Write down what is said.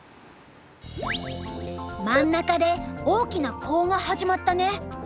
真ん中で大きなコウが始まったね。